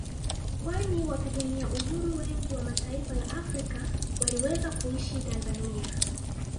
Kwani wapigania uhuru wengi wa mataifa ya Afrika waliweza kuishi Tanzania